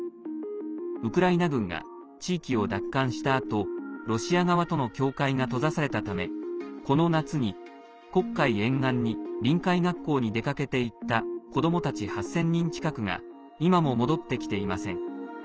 ウクライナ軍が地域を奪還したあとロシア側との境界が閉ざされたためこの夏に黒海沿岸に臨海学校に出かけていった子どもたち８０００人近くが今も戻ってきていません。